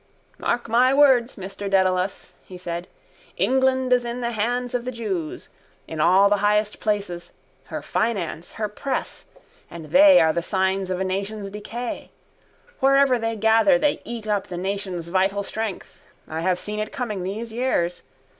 —Mark my words, Mr Dedalus, he said. England is in the hands of the jews. In all the highest places: her finance, her press. And they are the signs of a nation's decay. Wherever they gather they eat up the nation's vital strength. I have seen it coming these years.